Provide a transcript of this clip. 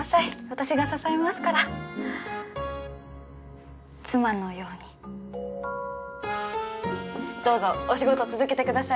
私が支えますから妻のようにどうぞお仕事続けてください